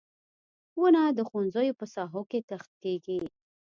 • ونه د ښوونځیو په ساحو کې کښت کیږي.